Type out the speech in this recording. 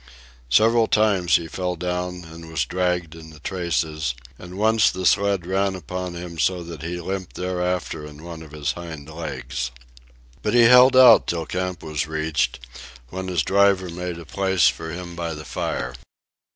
Several times he fell down and was dragged in the traces, and once the sled ran upon him so that he limped thereafter in one of his hind legs. But he held out till camp was reached, when his driver made a place for him by the fire.